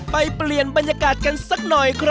ไปเปลี่ยนบรรยากาศกันสักหน่อย